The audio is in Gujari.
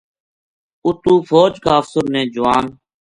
اُتو فوج کا افسر نے جوان